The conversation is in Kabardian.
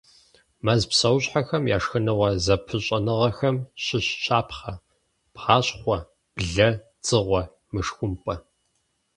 Мэз псэущхьэхэм я шхыныгъуэ зэпыщӏэныгъэхэм щыщ щапхъэ: бгъащхъуэ – блэ – дзыгъуэ – мышхумпӏэ.